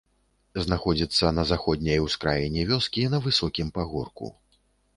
Знаходзіцца на заходняй ускраіне вёскі, на высокім пагорку.